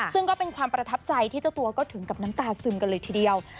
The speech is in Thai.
ซึ่งก็เป็นความประทับใจที่เจ้าตัวก็ถึงกับน้ำตาซึมกันเลยทีเดียว